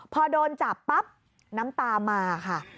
พอโดนจับปั๊บน้ำตามาค่ะ